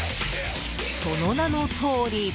その名のとおり。